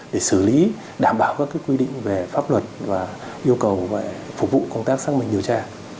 để xử lý đảm bảo các quy định về pháp luật và yêu cầu phục vụ công tác xác minh điều tra